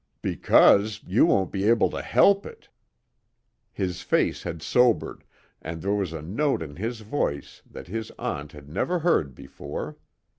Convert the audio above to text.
"Because you won't be able to help it." His face had sobered, and there was a note in his voice that his aunt had never heard before.